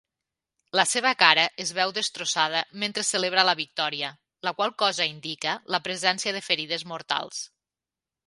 La seva cara es veu destrossada mentre celebra la victòria, la qual cosa indica la presència de ferides mortals.